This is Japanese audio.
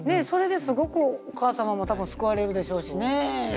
それですごくお母様も多分救われるでしょうしねぇ。